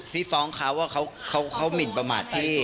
พี่ฟ้องเขาว่าเขาหมินประมาทพี่